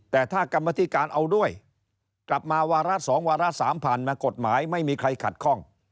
แต่ถ้ากรรมธิการเอาด้วยกลับมาวาระ๒วาระ๓ผ่านมากฎหมายไม่มีใครขัดข้อง